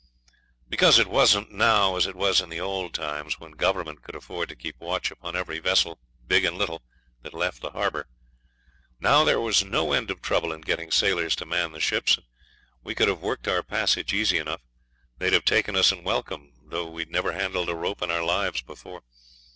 Because it wasn't now as it was in the old times, when Government could afford to keep watch upon every vessel, big and little, that left the harbour. Now there was no end of trouble in getting sailors to man the ships, and we could have worked our passage easy enough; they'd have taken us and welcome, though we'd never handled a rope in our lives before.